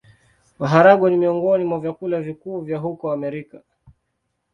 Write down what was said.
Maharagwe ni miongoni mwa vyakula vikuu vya huko Amerika.